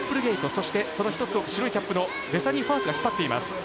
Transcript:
そして、白いキャップのベサニー・ファースが引っ張っています。